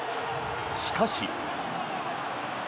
しかし。